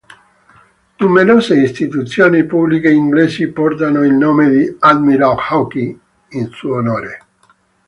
Numerose istituzioni pubbliche inglesi portano il nome di "Admiral Hawke" in suo onore.